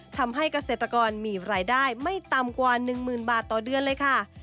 ทำให้เกษตรกรมีรายได้ไม่ต่ำกว่า๑๐๐๐บาทต่อเดือนเลยค่ะ